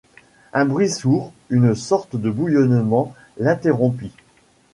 Un bruit sourd, une sorte de bouillonnement, l’interrompit.